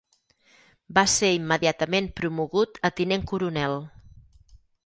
Va ser immediatament promogut a tinent coronel.